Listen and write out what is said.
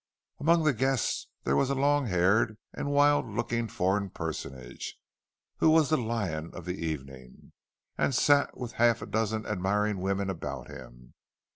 Among the guests there was a long haired and wild looking foreign personage, who was the "lion" of the evening, and sat with half a dozen admiring women about him.